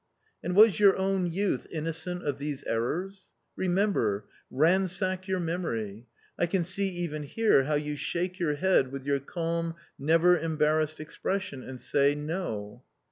"And was your own youth innocent of these errors? Remember, ransack your memory. I can see even here how you shake your head with your calm never embarrassed expression, and say, no.